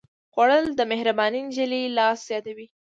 خوړل د مهربانې نجلۍ لاس یادوي